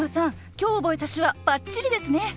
今日覚えた手話バッチリですね！